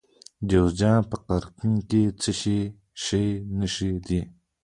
د جوزجان په قرقین کې د څه شي نښې دي؟